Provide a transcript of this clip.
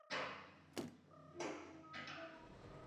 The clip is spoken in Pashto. د پراخ بنسټه ټولنې جوړېدو لپاره انګېزه رامنځته کوي.